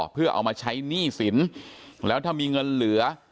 เพื่อเอามาใช้หนี้สินแล้วถ้ามีเงินเหลือ